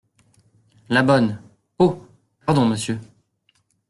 La Bonne. — Oh ! pardon, Monsieur !